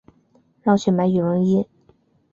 绕去买羽绒衣